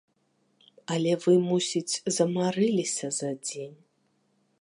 Але вы, мусіць, замарыліся за дзень?